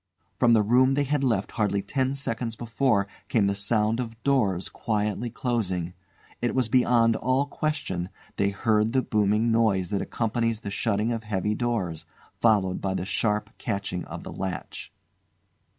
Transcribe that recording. From the room they had left hardly ten seconds before came the sound of doors quietly closing. It was beyond all question; they heard the booming noise that accompanies the shutting of heavy doors, followed by the sharp catching of the latch.